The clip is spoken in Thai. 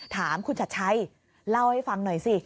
ถามคุณชัดชัยเล่าให้ฟังหน่อยสิ